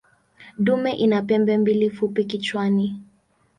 Dume ina pembe mbili fupi kichwani.